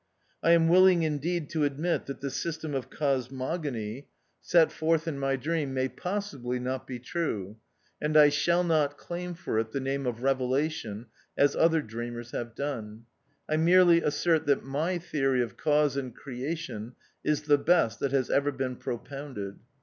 I am willing indeed to admit that the system of Cosmogony 20 THE OUTCAST. set forth in my dream may possibly not be true, and I shall not claim for it the name of Revelation as other dreamers have done; I merely assert that my theory of Cause and Creation is the best that has ever been propounded.